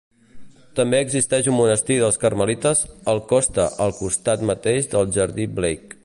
També existeix un monestir dels Carmelites al costa al costat mateix del Jardí Blake.